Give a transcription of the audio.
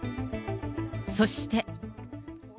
そして。